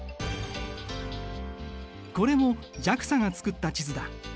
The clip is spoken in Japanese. これもＪＡＸＡが作った地図だ。